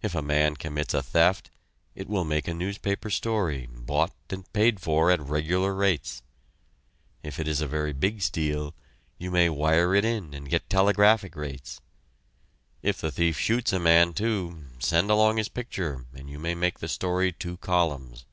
If a man commits a theft, it will make a newspaper story, bought and paid for at regular rates. If it is a very big steal, you may wire it in and get telegraphic rates. If the thief shoots a man, too, send along his picture and you may make the story two columns.